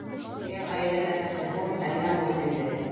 — Миңә ғаилә бәхете һуң, әммә мул килде.